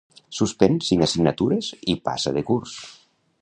Suspèn cinc assignatures i passa de curs.